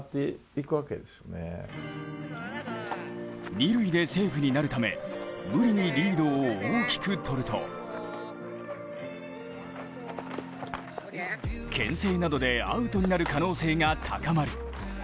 二塁でセーフになるため無理にリードを大きく取ると牽制などでアウトになる可能性が高まる。